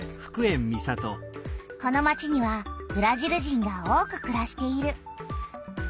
この町にはブラジル人が多くくらしている。